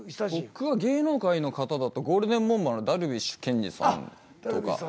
僕は芸能界の方だとゴールデンボンバーの樽美酒研二さんとか。